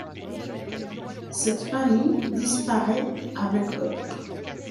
Cette famille disparaît avec eux.